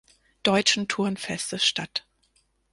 Deutschen Turnfestes statt.